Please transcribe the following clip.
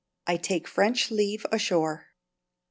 I TAKE FRENCH LEAVE ASHORE.